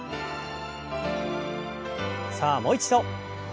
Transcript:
さあもう一度。